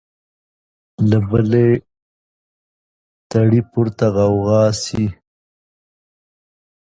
له بلي تړي پورته غوغا سي